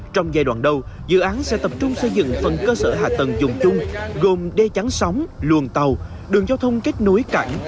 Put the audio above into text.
trong giai đoạn đầu dự án sẽ tập trung xây dựng phần cơ sở hạ tầng dùng chung gồm đê chắn sóng luồng tàu đường giao thông kết nối cảng